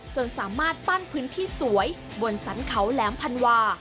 จนสามารถปั้นพื้นที่สวยบนสรรเขาแหลมพันวา